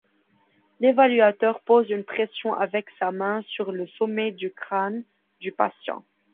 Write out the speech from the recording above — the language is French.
L'évaluateur pose une pression avec sa main sur le sommet du crâne du patient.